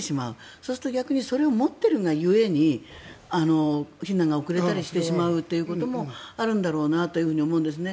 そうすると逆にそれを持っているが故に避難が遅れたりしてしまうこともあるんだろうなと思うんですね。